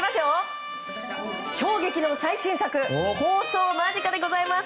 衝撃の最新作放送間近でございます。